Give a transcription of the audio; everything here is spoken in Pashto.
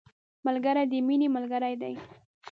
ملګری د مینې ملګری دی